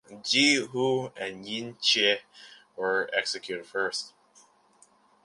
Jie Hu and Yin Che were executed first.